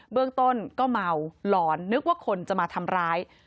เรื่องต้นก็เมาหลอนนึกว่าคนจะมาทำร้าย